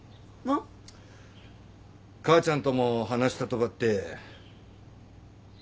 母ちゃんとも話したとばって。